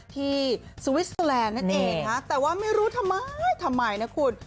สวิสเตอร์แลนด์นั่นเองนะฮะแต่ว่าไม่รู้ทำไมทำไมนะคุณ